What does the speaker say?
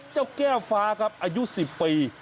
แก้วแก้วฟ้าครับอายุ๑๐ปี